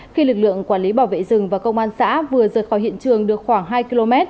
khi lực lượng quản lý bảo vệ rừng và công an xã vừa rời khỏi hiện trường được khoảng hai km